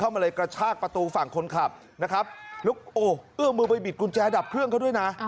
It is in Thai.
เข้ามาเลยกระชากประตูฝั่งคนขับแล้วก็เออออมือไปบิดกุญแจดับเครื่องเขาด้วยนะ